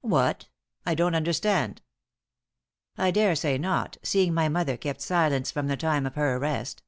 "What? I don't understand!" "I daresay not, seeing my mother kept silence from the time of her arrest.